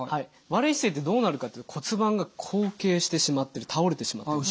悪い姿勢ってどうなるかって骨盤が後傾してしまってる倒れてしまっている。